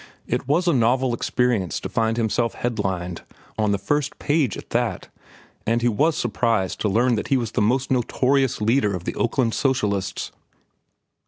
It was a novel experience to find himself head lined, on the first page at that; and he was surprised to learn that he was the most notorious leader of the Oakland socialists.